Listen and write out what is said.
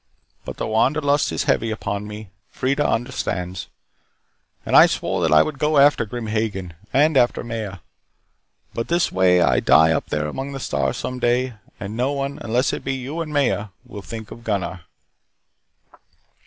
But the wanderlust is heavy upon me. Freida understands. And I swore that I would go after Grim Hagen and after Maya. But this way, I die up there among the stars some day, and no one unless it be you and Maya will think of Gunnar."